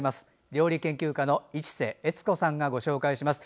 料理研究家の市瀬悦子さんがご紹介します。